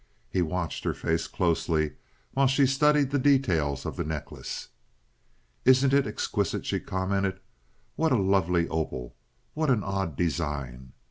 He watched her face closely while she studied the details of the necklace. "Isn't it exquisite!" she commented. "What a lovely opal—what an odd design."